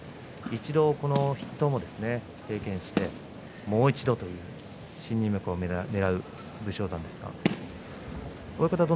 一度、筆頭も経験してもう一度という新入幕をねらう武将山です。